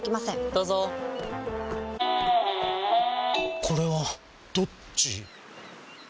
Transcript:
どうぞこれはどっち？